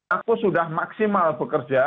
aku sudah maksimal bekerja